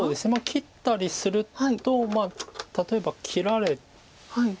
切ったりすると例えば切られ。